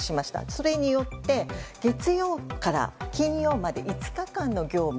それによって月曜から金曜まで５日間の業務